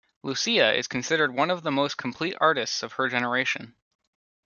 Lucia is considered one of the most complete artists of her generation.